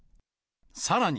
さらに、